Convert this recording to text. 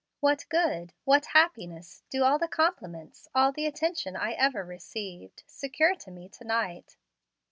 What good, what happiness, do all the compliments, all the attention I ever received, secure to me to night?